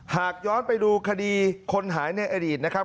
หากย้อนไปดูคดีคนหายในอดีตนะครับ